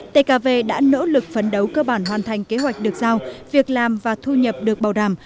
tkv đã nỗ lực phấn đấu cơ bản hoàn thành kế hoạch được giao việc làm và thu nhập được bảo đảm